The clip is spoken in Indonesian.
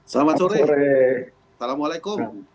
selamat sore assalamualaikum